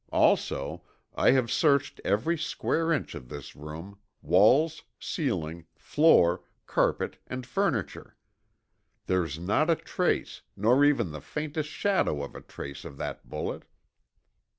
Also, I have searched every square inch of this room walls, ceiling, floor, carpet and furniture. There's not a trace, nor even the faintest shadow of a trace of that bullet!"